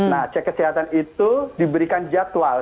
nah cek kesehatan itu diberikan jadwal